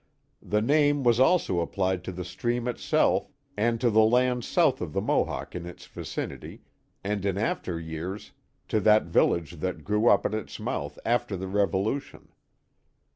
The name was also applied to the stream itself and to lands south of the Mohawk in its vicinity, and in after years to the village that grew up at its mouth after the Revolution.